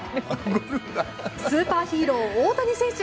スーパーヒーロー大谷選手